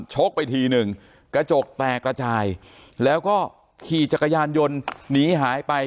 กไปทีหนึ่งกระจกแตกระจายแล้วก็ขี่จักรยานยนต์หนีหายไป